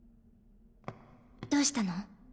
どうしたの？